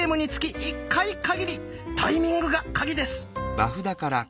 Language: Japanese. タイミングがカギです！